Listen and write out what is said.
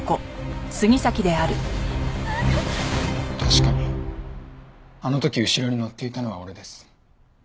確かにあの時後ろに乗っていたのは俺です。